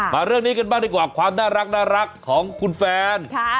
เรื่องนี้กันบ้างดีกว่าความน่ารักของคุณแฟน